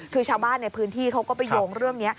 คือชาวบ้านในพื้นที่เขาก็ไปโยงเรื่องนี้